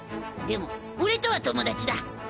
でも俺とは友達だ。